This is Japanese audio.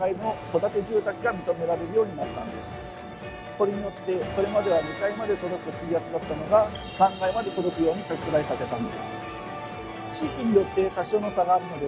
これによってそれまでは２階まで届く水圧だったのが３階まで届くように拡大させたんです。